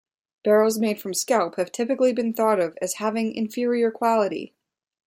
Barrels made from skelp have typically been thought of as having inferior quality.